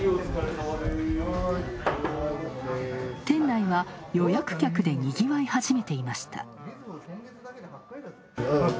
店内は予約客でにぎわい始めていました。